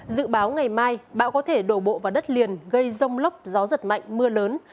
dự báo ngày mai bão có thể đổ bộ vào đất liền gây rông lốc gió giật mạnh mưa lớn